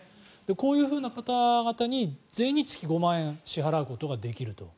こういう方々に全員に月５万円を支払うことができると。